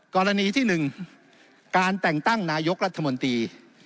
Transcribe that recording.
กรณีที่๑การแต่งตั้งนายกรัฐมนตรี